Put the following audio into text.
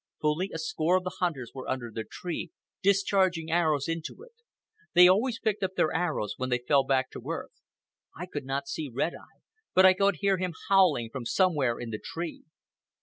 Fully a score of the hunters were under the tree, discharging arrows into it. They always picked up their arrows when they fell back to earth. I could not see Red Eye, but I could hear him howling from somewhere in the tree.